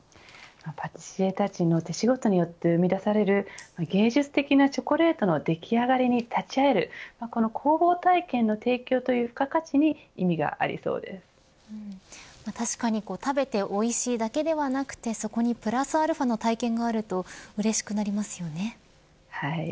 パティシエたちの手仕事によって生み出される芸術的なチョコレートの出来上がりに立ち会えるこの工房体験の提供という付加価値に確かに食べておいしいだけではなくてそこにプラスαの体験があるとはい。